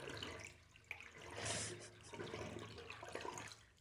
Po stranách hlavní lodi i u obou bočních se nacházejí opěrné pilíře.